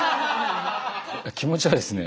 気持ちはですね